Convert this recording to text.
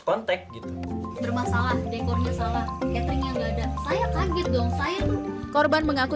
kontek gitu bermasalah dekornya salah catering yang ada saya kaget dong saya korban mengaku